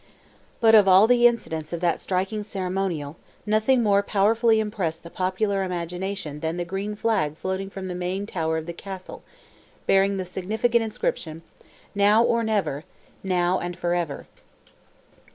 But of all the incidents of that striking ceremonial, nothing more powerfully impressed the popular imagination than the green flag floating from the main tower of the castle, bearing the significant inscription—"Now or Never—Now and Forever."